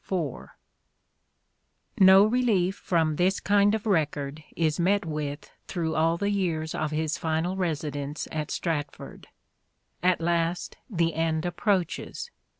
IV No relief from this kind of record is met with through The will, all the years of his final residence at Stratford. At last the end approaches.